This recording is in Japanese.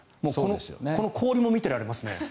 この氷も見てられますね。